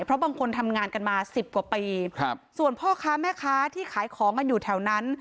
เพราะบางคนทำงานกันมาสิบกว่าปีครับส่วนพ่อค้าแม่ค้าที่ขายของกันอยู่แถวนั้น